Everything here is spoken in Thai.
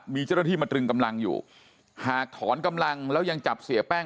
มีเจ้าหน้าที่มาตรึงกำลังอยู่หากถอนกำลังแล้วยังจับเสียแป้ง